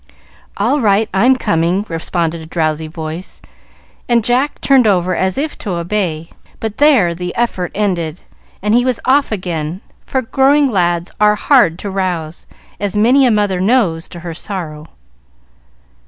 "All right, I'm coming," responded a drowsy voice, and Jack turned over as if to obey; but there the effort ended, and he was off again, for growing lads are hard to rouse, as many a mother knows to her sorrow.